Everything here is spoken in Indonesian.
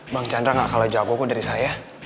bang chandra gak kalah jago pun dari saya